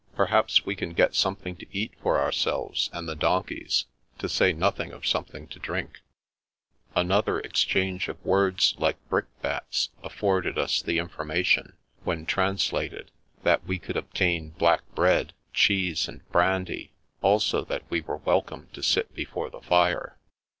Perhaps we can get something to eat for ourselves and the donkeys — ^to say nothing of something to drink," Another exchange of words like brickbats af forded us the information, when translated, that we could obtain black bread, cheese, and brandy; also that we were welcome to sit before the fire.